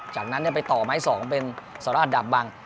จากนั้นเนี่ยไปต่อไม้๒เป็นสร้างอันดับบัง